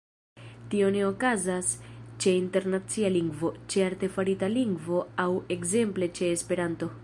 Tio ne okazas ĉe internacia lingvo, ĉe artefarita lingvo aŭ ekzemple ĉe Esperanto.